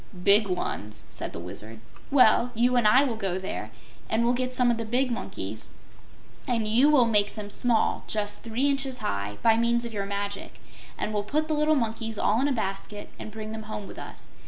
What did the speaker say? "Big ones," said the Wizard. "Well, you and I will go there, and we'll get some of the big monkeys, and you will make them small just three inches high by means of your magic, and we'll put the little monkeys all in a basket and bring them home with us.